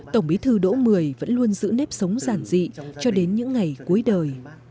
tổng bí thư đỗ mười vẫn luôn giữ nếp sống giản dị cho đến những ngày cuối đời